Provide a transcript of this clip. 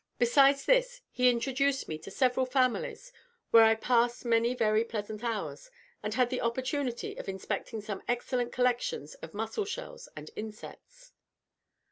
Besides this, he introduced me to several families, where I passed many very pleasant hours, and had the opportunity of inspecting some excellent collections of mussel shells and insects.